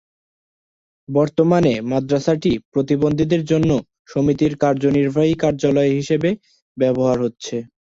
বর্তমানে মাদ্রাসাটি প্রতিবন্ধীদের জন্য সমিতির কার্যনির্বাহী কার্যালয় হিসাবে ব্যবহার হচ্ছে।